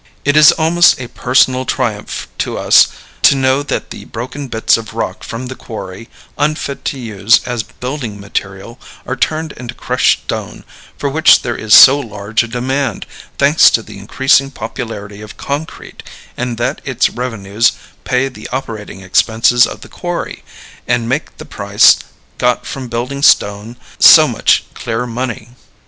It is almost a personal triumph to us to know that the broken bits of rock from the quarry, unfit to use as building material, are turned into crushed stone, for which there is so large a demand, thanks to the increasing popularity of concrete, and that its revenues pay the operating expenses of the quarry, and make the price got from building stone so much clear money.